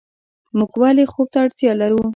موږ ولې خوب ته اړتیا لرو